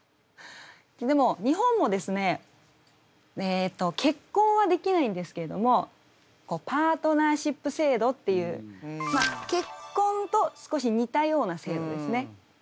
でも日本もですねえっと結婚はできないんですけれどもパートナーシップ制度っていう結婚と少し似たような制度ですね。